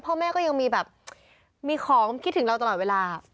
พ่อแม่ก็ยังมีแบบมีของคิดถึงเราตลอดเวลา